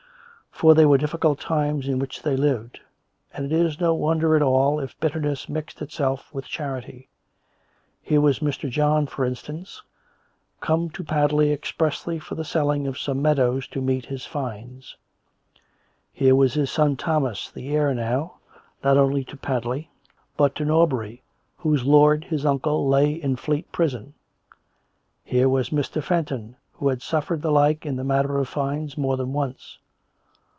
For they were difficult times in which they lived; and it is no wonder at all if bitterness mixed itself with charity. Here was Mr. John, for instance, come to Padley expressly for the selling of some meadows to meet his fines; here was his son Thomas, the heir now, not only to Padley, but to Nor bury, whose lord, his uncle, lay in the Fleet Prison. Here was Mr. Fenton, who had suffered the like in the matter of fines more than once.